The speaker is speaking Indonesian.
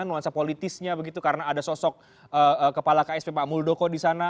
nuansa politisnya begitu karena ada sosok kepala ksp pak muldoko di sana